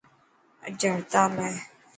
اڄ هڙتال هي.